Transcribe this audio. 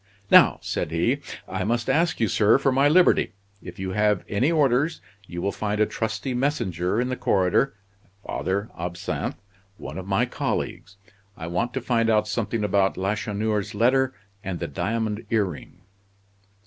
"Now," said he, "I must ask you, sir, for my liberty; if you have any orders, you will find a trusty messenger in the corridor, Father Absinthe, one of my colleagues. I want to find out something about Lacheneur's letter and the diamond earring."